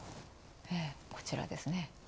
こちらですね。